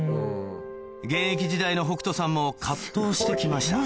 現役時代の北斗さんも藤して来ました